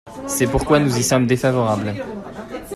C’est pourquoi nous y sommes défavorables.